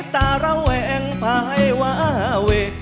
ตาระแวงภายวาเว